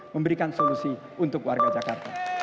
memberikan solusi untuk warga jakarta